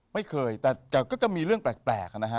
ไม่เคยแต่ก็จะมีเรื่องแปลกนะฮะ